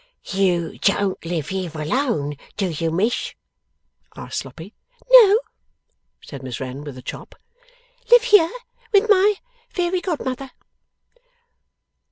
'You don't live here alone; do you, Miss?' asked Sloppy. 'No,' said Miss Wren, with a chop. 'Live here with my fairy godmother.